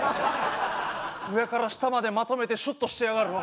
上から下までまとめてシュッとしてやがる。